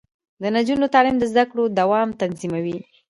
د نجونو تعلیم د زدکړو دوام تضمینوي.